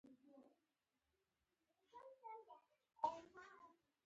د تره پاڼې د بواسیر لپاره وکاروئ